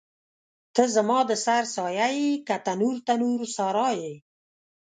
ته زما د سر سایه یې که تنور، تنور سارا یې